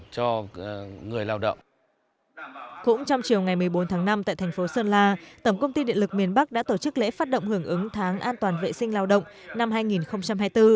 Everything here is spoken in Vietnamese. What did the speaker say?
cũng trong chiều ngày một mươi bốn tháng năm tại thành phố sơn la tổng công ty điện lực miền bắc đã tổ chức lễ phát động hưởng ứng tháng an toàn vệ sinh lao động năm hai nghìn hai mươi bốn